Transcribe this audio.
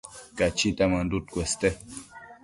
Cachita mënduc cueste